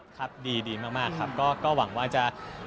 มีพี่ดีมากก็ก็หวังว่าจะ